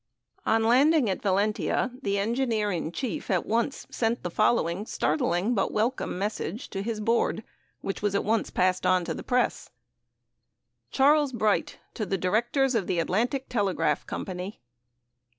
On landing at Valentia, the engineer in chief at once sent the following startling but welcome message to his Board, which was at once passed on to the press: Charles Bright, to the Directors of the Atlantic Telegraph Company.